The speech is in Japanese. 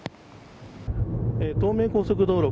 東名高速道路